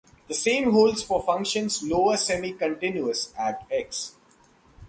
The same holds for functions lower semi-continuous at "x".